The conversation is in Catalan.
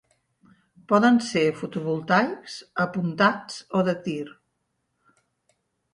Poden ser fotovoltaics, apuntats o de tir.